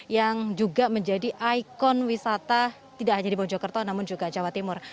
yang juga menjadi ikon wisata tidak hanya di mojokerto namun juga jawa timur